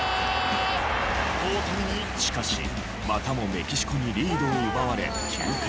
しかしまたもメキシコにリードを奪われ９回。